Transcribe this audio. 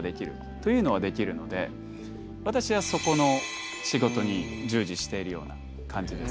というのはできるので私はそこの仕事に従事しているような感じです。